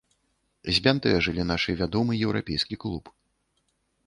Збянтэжылі нашы вядомы еўрапейскі клуб.